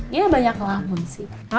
iya banyak ngelamun sih